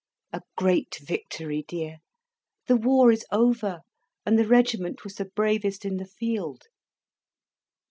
"A great victory, dear. The war is over, and the regiment was the bravest in the field."